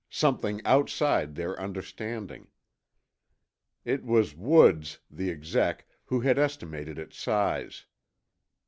Something outside their understanding. It was Woods, the exec, who had estimated its size.